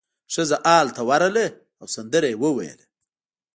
ښځه ال ته ورغله او سندره یې وویله.